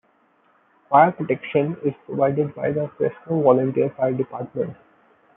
Fire protection is provided by the Fresno Volunteer Fire Department.